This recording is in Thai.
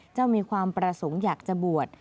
มีความประสงค์อยากจะบวช